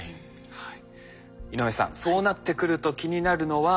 はい。